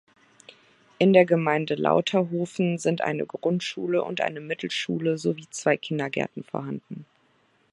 In der Gemeinde Lauterhofen sind eine Grundschule und eine Mittelschule sowie zwei Kindergärten vorhanden.